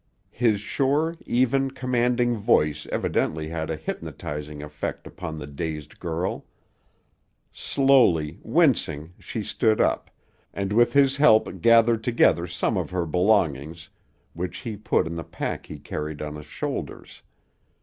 His sure, even, commanding voice evidently had a hypnotizing effect upon the dazed girl. Slowly, wincing, she stood up, and with his help gathered together some of her belongings which he put in the pack he carried on his shoulders.